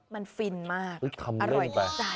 มันฟินมากอร่อยมาก